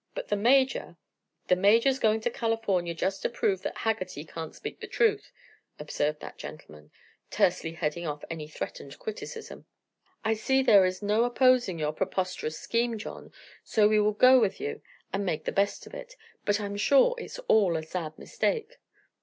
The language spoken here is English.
But the Major " "The Major's going to California just to prove that Haggerty can't speak the truth," observed that gentleman, tersely heading off any threatened criticism. "I see there is no opposing your preposterous scheme, John, so we will go with you and make the best of it. But I'm sure it's all a sad mistake.